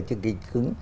chương trình cứng